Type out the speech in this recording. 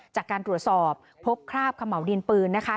จากการตรวจสอบพบคราบเขม่าวดินปืนนะคะ